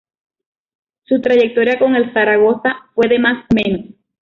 Su trayectoria con el Zaragoza fue de más a menos.